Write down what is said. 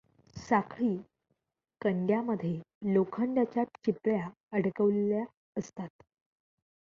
साखळी कड्यांमध्ये लोखंडाच्या चिपळ्या अडकवलेल्या असतात.